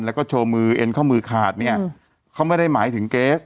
แล้วก็โชว์มือเอ็นข้อมือขาดเนี่ยเขาไม่ได้หมายถึงเกส